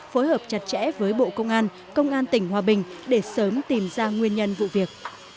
phối hợp chặt chẽ với bộ công an công an tỉnh hòa bình để sớm tìm ra nguyên nhân vụ việc